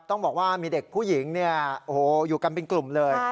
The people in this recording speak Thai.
ต้องบอกว่ามีเด็กผู้หญิงอยู่กันเป็นกลุ่มเลย